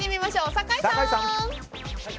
酒井さん！